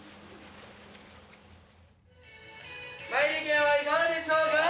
前売り券はいかがでしょうか？